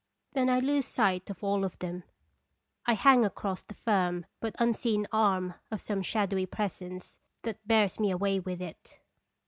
Then I lose sight of all of them I hang across the firm but un seen arm of some shadowy presence that bears me away with it.